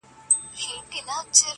د فرنګ پر کهاله ځکه شور ما شور سو،